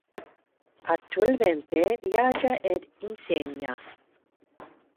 Attualmente viaggia ed insegna.